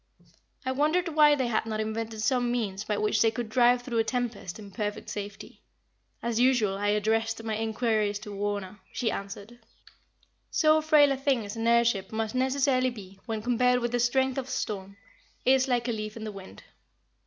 I wondered why they had not invented some means by which they could drive through a tempest in perfect safety. As usual, I addressed my inquiries to Wauna. She answered: "So frail a thing as an air ship must necessarily be, when compared with the strength of a storm, is like a leaf in the wind.